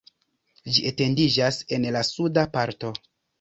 Ĝi etendiĝas en la suda parto.